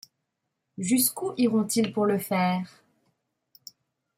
Jusqu'où iront-ils pour le faire?